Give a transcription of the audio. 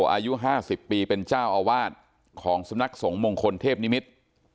อายุ๕๐ปีเป็นเจ้าอาวาสของสำนักสงฆ์มงคลเทพนิมิตร